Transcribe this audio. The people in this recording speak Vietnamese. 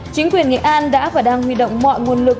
chính quyền nghệ an đã và đang huy động mọi nguồn lực